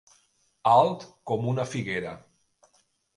Alt com una figuera.